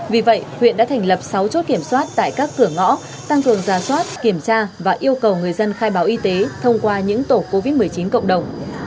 vì vậy huyện đã thành lập sáu chốt kiểm soát tại các cửa ngõ tăng cường giả soát kiểm tra và yêu cầu người dân khai báo y tế thông qua những tổ covid một mươi chín cộng đồng